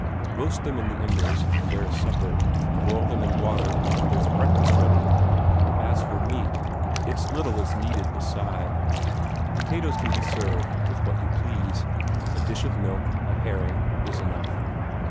Roast them in the embers, and there is supper; boil them in water, and there's a breakfast ready. As for meat, it's little is needed beside. Potatoes can be served with what you please; a dish of milk, a herring, is enough.